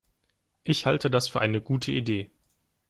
Ich halte das für eine gute Idee.